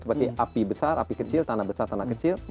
seperti api besar api kecil tanah besar tanah kecil